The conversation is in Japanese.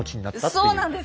そうなんです！